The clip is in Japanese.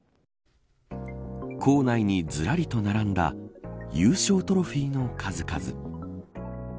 校内にずらりと並んだ優勝トロフィーの数々。